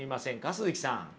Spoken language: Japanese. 鈴木さん。